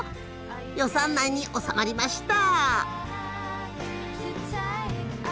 予算内に収まりました。